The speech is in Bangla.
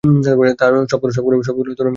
সবগুলো মূর্তিরই ডান হাতটা নেই।